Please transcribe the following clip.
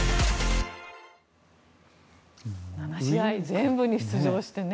７試合全部に出場してね。